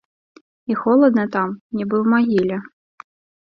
І холадна там, нібы ў магіле.